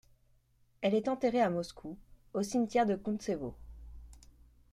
Elle est enterrée à Moscou, au cimetière de Kountsevo.